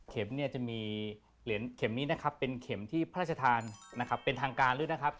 เนี่ยจะมีเหรียญเข็มนี้นะครับเป็นเข็มที่พระราชทานนะครับเป็นทางการด้วยนะครับ